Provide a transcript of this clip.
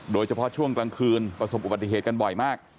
โดยเฉพาะช่วงกลางคืนประสบอุบัติเหตุกันบ่อยมาก